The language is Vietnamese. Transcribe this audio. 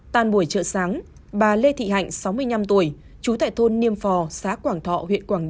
tàn buổi trợ sáng bà lê thị hạnh sáu mươi năm tuổi trú tại thôn niêm phò xã quảng thọ huyện quảng nhân